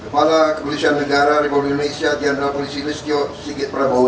kepala kepolisian negara republik indonesia jenderal polisi listio sigit prabowo